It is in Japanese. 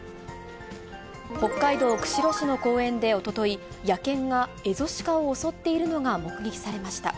北海道釧路市の公園で、おととい、野犬がエゾシカを襲っているのが目撃されました。